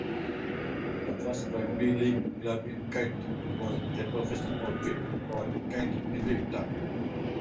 The first rugby league club in Kent was a professional outfit, called Kent Invicta.